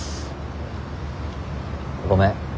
ごめん。